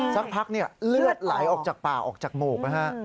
สักพักเนี่ยเลือดไหลออกจากป่าออกจากหมูกนะฮะ